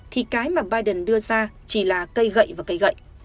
thì cái mà biden đưa ra chỉ là cây gậy và cây gậy